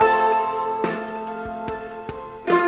begitu saja dia berhutang